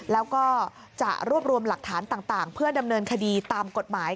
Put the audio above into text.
แล้วก็จะรวบรวมหลักฐานต่างเพื่อดำเนินคดีตามกฎหมาย